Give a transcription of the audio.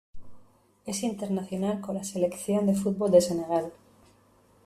Es internacional con la selección de fútbol de Senegal.